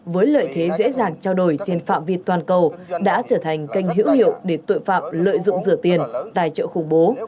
với lợi thế dễ dàng trao đổi trên phạm vi toàn cầu đã trở thành kênh hữu hiệu để tội phạm lợi dụng rửa tiền tài trợ khủng bố